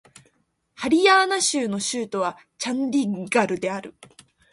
ハリヤーナー州の州都はチャンディーガルである